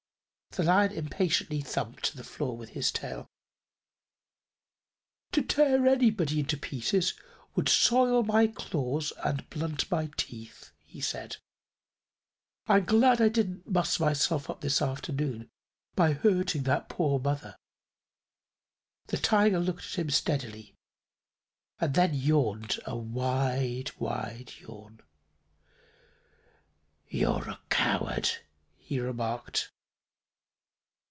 The Lion impatiently thumped the floor with his tail. "To tear anyone into pieces would soil my claws and blunt my teeth," he said. "I'm glad I didn't muss myself up this afternoon by hurting that poor mother." The Tiger looked at him steadily and then yawned a wide, wide yawn. "You're a coward," he remarked.